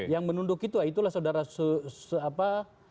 yang menunduk itu itulah saudara siapa